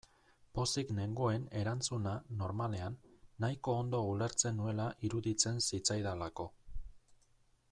Pozik nengoen erantzuna, normalean, nahiko ondo ulertzen nuela iruditzen zitzaidalako.